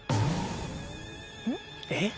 えっ？